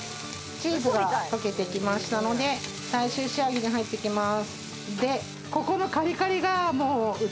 チーズが溶けてきましたので、最終仕上げに入っていきます。